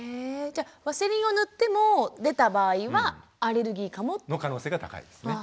じゃワセリンを塗っても出た場合はアレルギーかも？の可能性が高いですね。